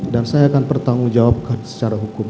dan saya akan bertanggung jawabkan secara hukum